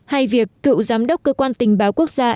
hay việc cựu giám đốc cơ quan tình báo quốc gia